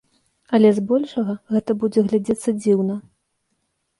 Але збольшага гэта будзе глядзецца дзіўна.